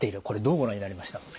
これどうご覧になりました？